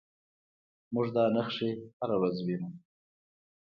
موږ دا نښې هره ورځ وینو.